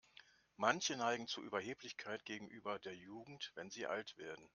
Manche neigen zu Überheblichkeit gegenüber der Jugend, wenn sie alt werden.